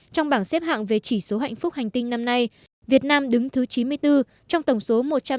trong bảng xếp hạng về chỉ số hạnh phúc hành tinh năm nay việt nam đứng thứ chín mươi bốn trong tổng số